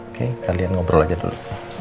oke kalian ngobrol aja dulu